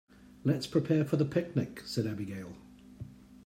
"Let's prepare for the picnic!", said Abigail.